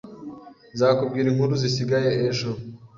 Nzakubwira inkuru zisigaye ejo